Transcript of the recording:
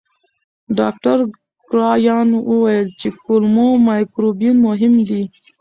ډاکټر کرایان وویل چې کولمو مایکروبیوم مهم دی.